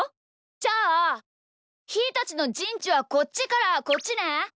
じゃあひーたちのじんちはこっちからこっちね。